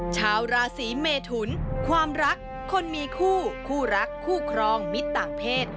ชาวราศีเมทุนความรักคนมีคู่คู่รักคู่ครองมิตรต่างเพศ